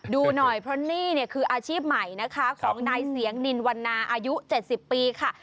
ดูหน่อยเพราะนี่เนี่ยคืออาชีพใหม่นะคะของนายเสียงนินวันนาอายุ๗๐ปีค่ะ